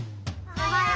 おはよう！